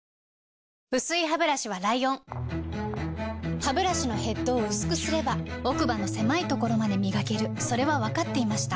薄いハブラシはライオンハブラシのヘッドを薄くすれば奥歯の狭いところまで磨けるそれは分かっていました